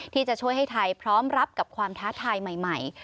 ที่จะช่วยให้ไทยพร้อมรับกับความท้าทายใหม่